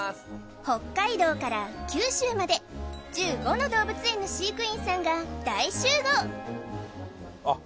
北海道から九州まで１５の動物園の飼育員さんが大集合あっｉＺｏｏ